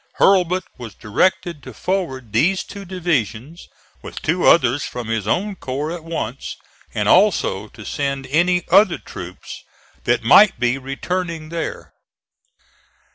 Hurlbut was directed to forward these two divisions with two others from his own corps at once, and also to send any other troops that might be returning there.